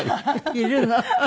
いるの？